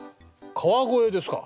川越ですか。